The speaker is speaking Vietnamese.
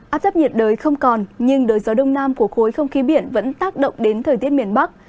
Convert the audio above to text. áp thấp nhiệt đới không còn nhưng đới gió đông nam của khối không khí biển vẫn tác động đến thời tiết miền bắc